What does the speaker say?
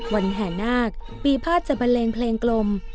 แห่นาคปีภาษจะบันเลงเพลงกลม